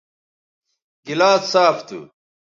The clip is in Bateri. گلاس صاف تھو